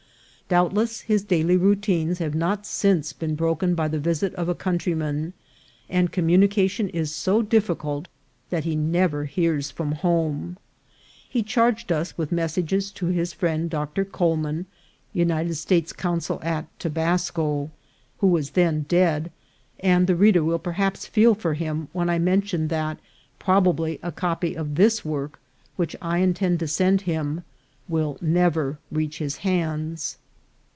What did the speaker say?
Doubt less his daily routines have not since been broken by the visit of a countryman, and communication is so dif ficult that he never hears from home. He charged us with messages to his friend Doctor Coleman, United States consul at Tobasco, who was then dead ; and the reader will perhaps feel for him when I mention that probably a copy of this work, which I intend to send him, will never reach his hands.